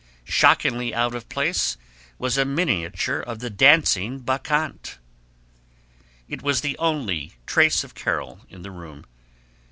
Shockingly out of place was a miniature of the Dancing Bacchante. It was the only trace of Carol in the room.